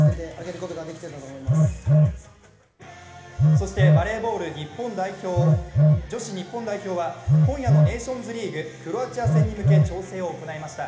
そしてバレーボール女子日本代表は、今夜のネーションズリーグ、クロアチア戦に向け調整を行いました。